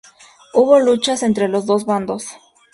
Hubo luchas entre los dos bandos.